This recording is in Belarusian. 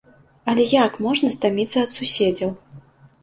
Але як можна стаміцца ад суседзяў?